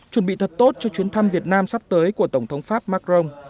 chuẩn bị thật tốt cho chuyến thăm việt nam sắp tới của tổng thống pháp macron